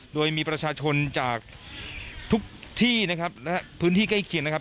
โดยมีประชาชนจากทุกที่นะครับและพื้นที่ใกล้เคียงนะครับ